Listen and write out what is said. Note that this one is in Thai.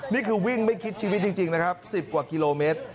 นี่คือวิ่งไม่คิดชีวิตจริงนะครับ๑๐กว่ากิโลเมตร